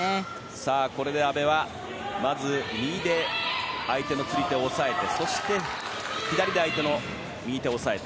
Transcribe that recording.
さあ、これで阿部はまず右で相手の釣り手を押さえてそして左で相手の右手を押さえる。